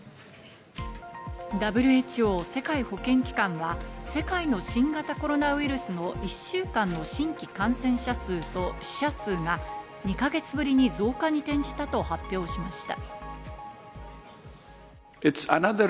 ＷＨＯ＝世界保健機関は世界の新型コロナウイルスの１週間の新規感染者数と死者数が２か月ぶりに増加に転じたと発表しました。